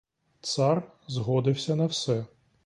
Цар згодився на все.